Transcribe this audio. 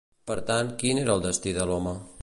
Per tant, quin era el destí de l'home?